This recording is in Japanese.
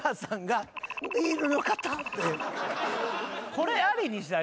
これありにしたら。